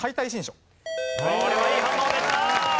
これはいい反応でした。